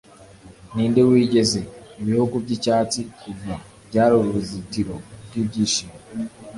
ninde wigeze, ibihugu byicyatsi kuva, byari uruzitiro rwibyishimo